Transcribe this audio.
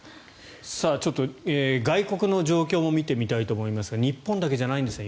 ちょっと外国の状況も見てみたいと思いますが日本だけじゃないんですね